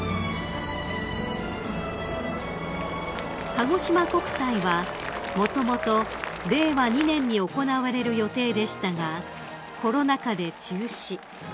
［かごしま国体はもともと令和２年に行われる予定でしたがコロナ禍で中止］